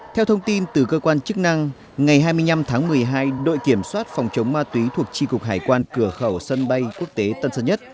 theo thông tin từ cơ quan chức năng ngày hai mươi năm tháng một mươi hai đội kiểm soát phòng chống ma túy thuộc tri cục hải quan cửa khẩu sân bay quốc tế tân sơn nhất